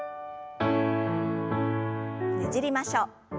ねじりましょう。